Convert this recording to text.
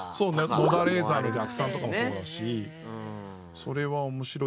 「野田レーザーの逆算」とかもそうだしそれは面白いと思います。